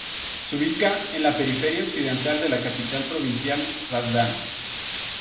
Se ubica en la periferia occidental de la capital provincial Hrazdan.